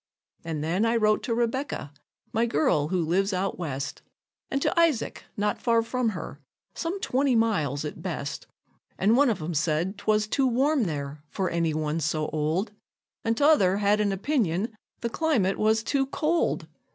An' then I wrote to Rebecca, my girl who lives out West, And to Isaac, not far from her some twenty miles at best; And one of 'em said 'twas too warm there for any one so old, And t'other had an opinion the climate was too cold.